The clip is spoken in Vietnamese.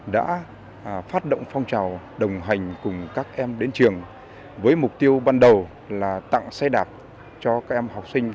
đã phát động phong trào đồng hành cùng các em đến trường với mục tiêu ban đầu là tặng xe đạp cho các em học sinh